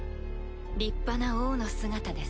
立派な王の姿です。